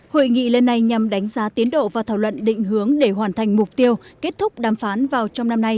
hội nghị lần này nhằm đánh giá tiến độ và thảo luận định hướng để hoàn thành mục tiêu kết thúc đàm phán vào trong năm nay